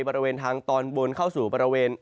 บริเวณทางตอนบนเข้าสู่บริเวณ